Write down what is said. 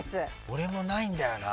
俺もないんだよね。